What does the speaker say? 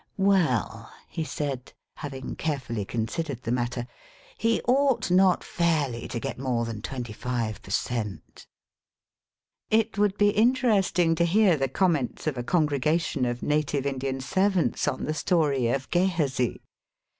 ''Well," he said, having carefully con sidered the matter, ''he ought not fairly to get more than 26 per cent." It would be interesting to hear the com ments of a congregation of native Indian servants on the story of Gehazi.